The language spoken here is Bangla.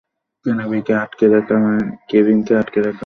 কেভিনকে আটকে রাখা হয়নি।